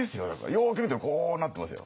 よく見たらこうなってますよ。